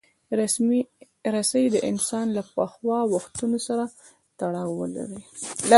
رسۍ د انسان له پخوا وختونو سره تړاو لري.